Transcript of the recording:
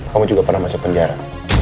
kamu juga pernah masuk penjara